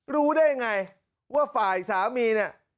รู้ได้ไงว่าฝ่ายสามีน่ะ